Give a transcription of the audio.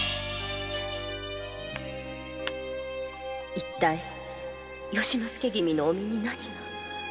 一体由之助君のお身に何が？